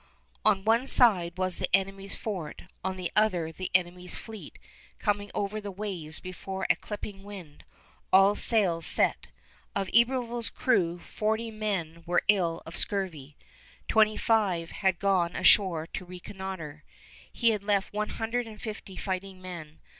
On one side was the enemy's fort, on the other the enemy's fleet coming over the waves before a clipping wind, all sails set. Of Iberville's crew forty men were ill of scurvy. Twenty five had gone ashore to reconnoiter. He had left one hundred and fifty fighting men.